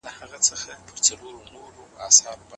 د دې پېښو شننه ژور فکر غواړي.